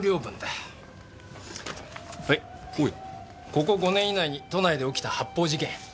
ここ５年以内に都内で起きた発砲事件。